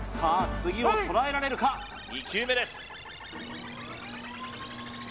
次を捉えられるか２球目です